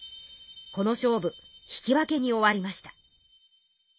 この勝負引き分けに終わりました。